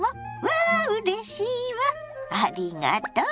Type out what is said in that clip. わあうれしいわありがとう！